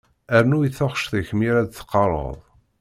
Rnu i taɣect-ik mi ara d-teqqareḍ.